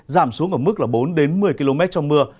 giảm xuống ở mức bốn một mươi km trong mưa